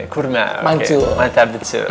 kurma mantap betul